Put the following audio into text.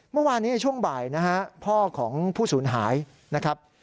เมื่อวานนี้ในช่วงบ่ายนะฮะพ่อของผู้สูญหายนะครับ